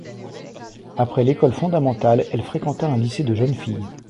Après l'école fondamentale, elle fréquenta un lycée de jeunes filles.